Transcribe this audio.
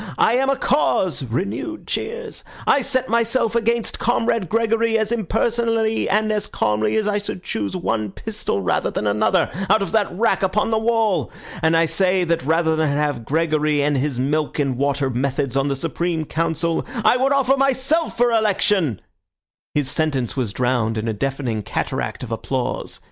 I am a cause (renewed cheers). I set myself against Comrade Gregory as impersonally and as calmly as I should choose one pistol rather than another out of that rack upon the wall; and I say that rather than have Gregory and his milk and water methods on the Supreme Council, I would offer myself for election—" His sentence was drowned in a deafening cataract of applause.